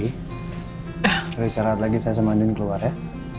kalau isyarat lagi saya sama din keluar ya